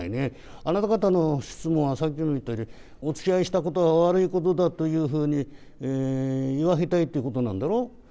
あなた方の質問はさっきも言ったように、おつきあいしたことが悪いことだというふうに言わせたいってことなんだろう？